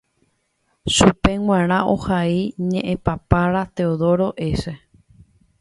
Chupe g̃uarã ohai ñeʼẽpapára Teodoro S.